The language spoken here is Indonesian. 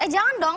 eh jangan dong